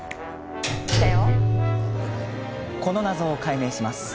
この謎を解明します。